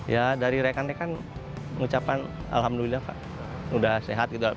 ya dari rekan rekan ucapan alhamdulillah pak sudah sehat gitu